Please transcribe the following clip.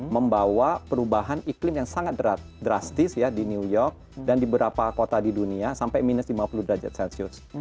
membawa perubahan iklim yang sangat drastis ya di new york dan di beberapa kota di dunia sampai minus lima puluh derajat celcius